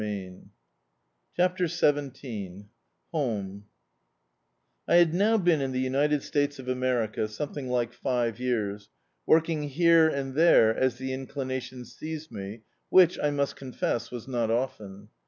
db, Google CHAPTER XVn I HAD now beca in the United States of America something like five years, working here and there as the inclination seized me, which, I must confess was not often.